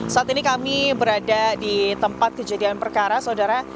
saat ini kami berada di tempat kejadian perkara saudara